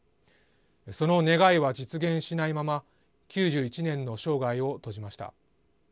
その願いは実現しないまま９１年の生涯を閉じました。